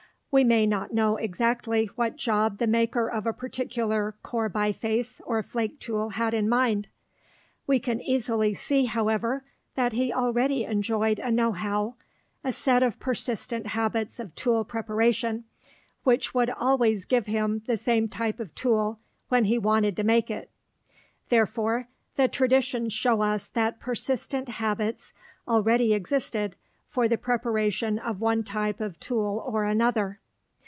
We may not know exactly what job the maker of a particular core biface or flake tool had in mind. We can easily see, however, that he already enjoyed a know how, a set of persistent habits of tool preparation, which would always give him the same type of tool when he wanted to make it. Therefore, the traditions show us that persistent habits already existed for the preparation of one type of tool or another.